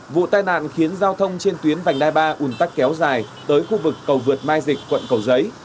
vụ tai nạn khiến giao thông trên tuyến vành đai ba ùn tắc kéo dài tới khu vực cầu vượt mai dịch quận cầu giấy